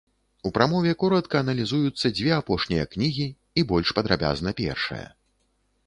У прамове коратка аналізуюцца дзве апошнія кнігі і больш падрабязна першая.